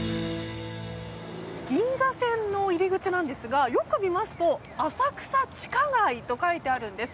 銀座線の入り口ですがよく見ますと浅草地下街と書いてあるんです。